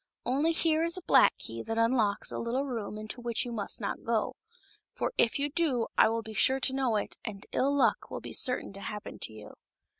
Only here is a black key that unlocks a little room into which you must not go ; for if you do I will be sure to know it, and ill luck will be certain to happen to you."